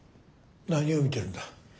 何を見てるんだ。